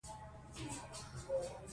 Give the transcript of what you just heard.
هلته د یوه دوست د زوی واده وو.